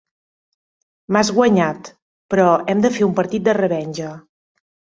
M'has guanyat, però hem de fer un partit de revenja.